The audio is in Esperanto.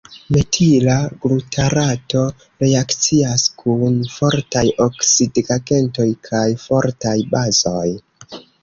Metila glutarato reakcias kun fortaj oksidigagentoj kaj fortaj bazoj.